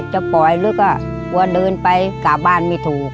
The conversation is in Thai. จะปล่อยลึกก็กลัวเดินไปกลับบ้านไม่ถูก